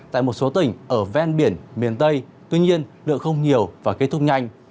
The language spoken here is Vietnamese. tại một số tỉnh ở ven biển miền tây tuy nhiên lượng không nhiều và kết thúc nhanh